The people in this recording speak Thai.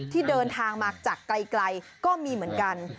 ที่เดินทางมาจากไกลก็มีเหมือนกัน